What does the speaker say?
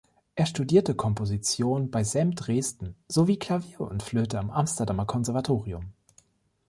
Er studierte Komposition bei Sem Dresden sowie Klavier und Flöte am Amsterdamer Konservatorium.